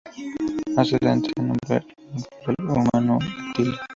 Más adelante se nombró en honor del rey huno Atila.